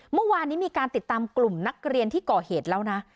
เมื่อวานนี้มีการติดตามกลุ่มนักเรียนที่ก่อเหตุแล้วนะ